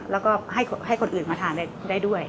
แล้วก็ให้คนอื่นมาทานได้ด้วย